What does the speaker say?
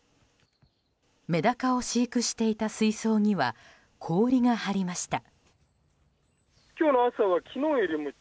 メダカを飼育していた水槽には氷が張りました。